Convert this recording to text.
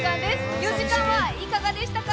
４時間はいかがでしたか？